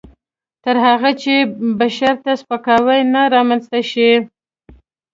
تر هغه چې بشر ته سپکاوی نه رامنځته شي.